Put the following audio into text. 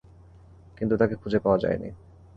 কিন্তু তাকে খুঁজে পাওয়া যায়নি।